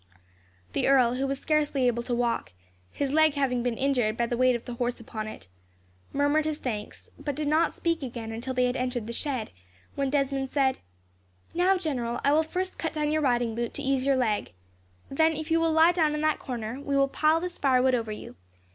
The earl, who was scarcely able to walk, his leg having been injured by the weight of the horse upon it, murmured his thanks, but did not speak again until they had entered the shed, when Desmond said: "Now, General, I will first cut down your riding boot, to ease your leg. Then, if you will lie down in that corner, we will pile this firewood over you.